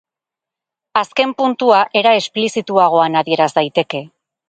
Azken puntua era esplizituagoan adieraz daiteke.